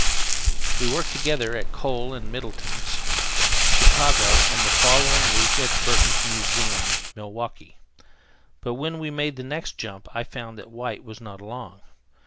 We worked together at Kohl and Middleton's, Chicago, and the following week at Burton's Museum, Milwaukee; but when we made the next jump I found that White was not along.